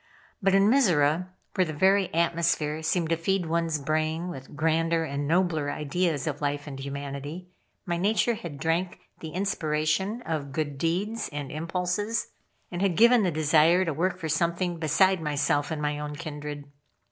But in Mizora, where the very atmosphere seemed to feed one's brain with grander and nobler ideas of life and humanity, my nature had drank the inspiration of good deeds and impulses, and had given the desire to work for something beside myself and my own kindred.